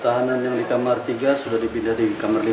tahanan yang di kamar tiga sudah dipindah di kamar lima